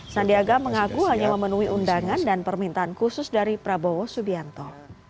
sandiaga mengaku hanya memenuhi undangan dan permintaan khusus dari prabowo subianto